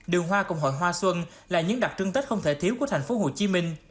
đường hoa cùng hội hoa xuân là những đặc trưng tết không thể thiếu của tp hcm